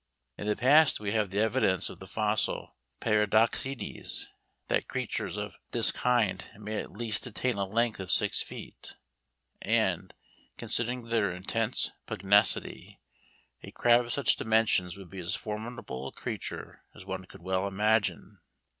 In the past we have the evidence of the fossil Paradoxides that creatures of this kind may at least attain a length of six feet, and, considering their intense pugnacity, a crab of such dimensions would be as formidable a creature as one could well imagine.